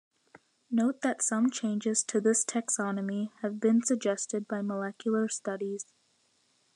Note that some changes to this taxonomy have been suggested by molecular studies.